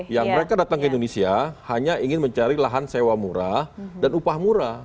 yang mereka datang ke indonesia hanya ingin mencari lahan sewa murah dan upah murah